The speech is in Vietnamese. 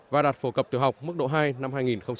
và đạt phổ cập tiểu học mức độ hai năm hai nghìn một mươi chín